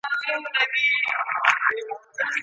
له نسیمه سره نسته د رڼا سباوون زېری